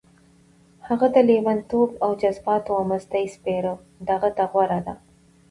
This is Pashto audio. هغه د لېونتوب او جذباتو او مستۍ سپېره دښته غوره ده.